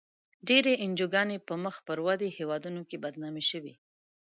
ډېری انجوګانې په مخ پر ودې هېوادونو کې بدنامې شوې.